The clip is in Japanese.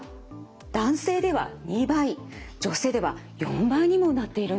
男性では２倍女性では４倍にもなっているんです。